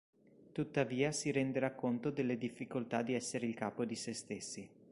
Tuttavia si renderà conto delle difficoltà di essere il capo di se stessi.